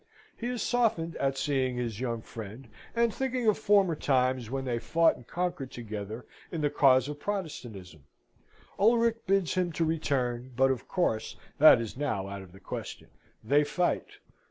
He is softened at seeing his young friend, and thinking of former times when they fought and conquered together in the cause of Protestantism. Ulric bids him to return, but of course that is now out of the question. They fight.